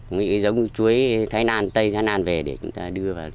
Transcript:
cái giống chuối thái nan tây thái nan về để chúng ta đưa vào